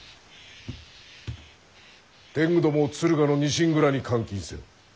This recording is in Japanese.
天狗どもを敦賀のニシン蔵に監禁せよ。